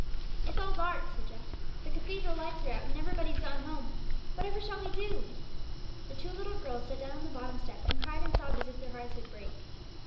'It's all dark,' said Jack; 'the cathedral lights are out, and everybody's gone home; whatever shall we do?' The two little girls sat down on the bottom step, and cried and sobbed as if their hearts would break.